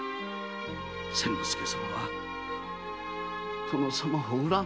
千之助様は殿様を恨んで。